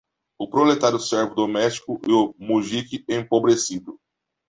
o proletário servo doméstico e o mujique empobrecido